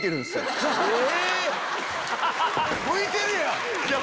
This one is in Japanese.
向いてるやん！